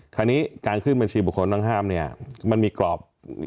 คราวนี้การขึ้นบัญชีบุคคลต้องห้ามเนี่ยมันมีกรอบ